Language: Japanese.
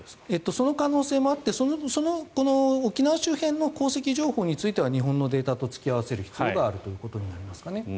その可能性もあって沖縄周辺の航跡情報については日本のデータと突き合わせる必要があるということになりますね。